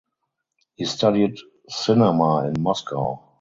He studied cinema in Moscow.